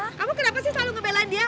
kamu kenapa sih selalu ngebelan dia